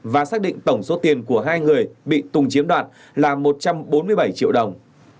và xác định tổng số tiền của hai người bị tùng chiếm đoạt là một trăm bốn mươi bảy triệu đồng